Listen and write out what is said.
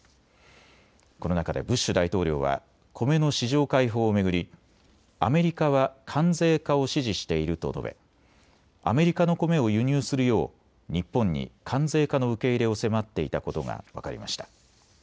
この中でブッシュ大統領はコメの市場開放を巡りアメリカは関税化を支持していると述べ、アメリカのコメを輸入するよう日本に関税化の受け入れを迫っていたことが分かりました。